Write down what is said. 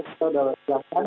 itu sudah disesuaikan